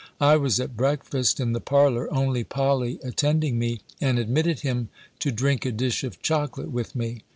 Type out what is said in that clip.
I was at breakfast in the parlour, only Polly attending me, and admitted him, to drink a dish of chocolate with me.